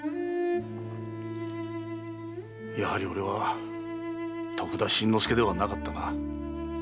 やはり俺は徳田新之助ではなかったな。